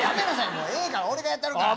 もうええから俺がやったるから。